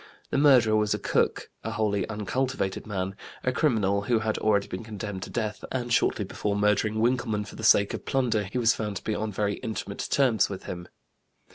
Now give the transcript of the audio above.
The murderer was a cook, a wholly uncultivated man, a criminal who had already been condemned to death, and shortly before murdering Winkelmann for the sake of plunder he was found to be on very intimate terms with him.